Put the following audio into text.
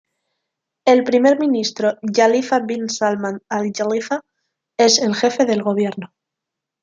El Primer Ministro Jalifa bin Salman Al Jalifa es jefe del gobierno.